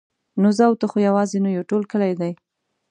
نو زه او ته خو یوازې نه یو ټول کلی دی.